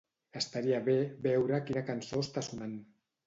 Estaria bé veure quina cançó està sonant.